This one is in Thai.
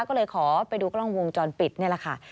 ก็เลยขอไปดูกล้องวงจรปิดนี่แหละค่ะ